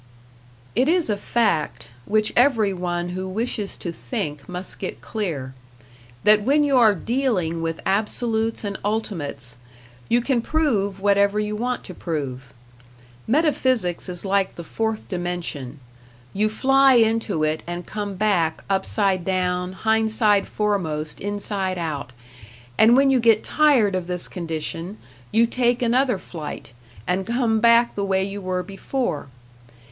It is a fact, which every one who wishes to think must get clear, that when you are dealing with absolutes and ultimates, you can prove whatever you want to prove. Metaphysics is like the fourth dimension; you fly into it and come back upside down, hindside foremost, inside out; and when you get tired of this condition, you take another flight, and come back the way you were before.